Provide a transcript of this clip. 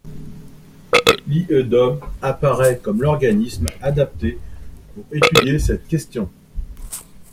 L’IEDOM apparaît comme l’organisme adapté pour étudier cette question.